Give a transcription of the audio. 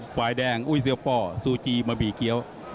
ฝ่ายแดงอุ้ยเสื้อป่อซูจีบะหมี่เกี้ยว